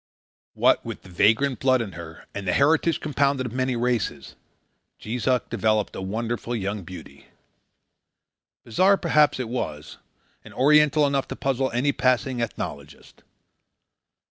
What with the vagrant blood in her and the heritage compounded of many races, Jees Uck developed a wonderful young beauty. Bizarre, perhaps, it was, and Oriental enough to puzzle any passing ethnologist.